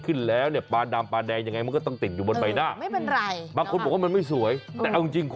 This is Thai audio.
คุณดูพูดขึ้นมาดีเลยแบบตกใจ